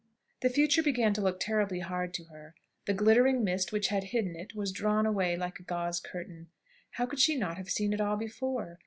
The future began to look terribly hard to her. The glittering mist which had hidden it was drawn away like a gauze curtain. How could she not have seen it all before?